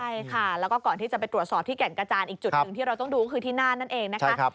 ใช่ค่ะแล้วก็ก่อนที่จะไปตรวจสอบที่แก่งกระจานอีกจุดหนึ่งที่เราต้องดูก็คือที่น่านนั่นเองนะคะ